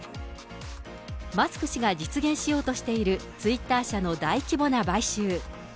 マスク氏が実現しようとしている、ツイッター社の大規模な買収。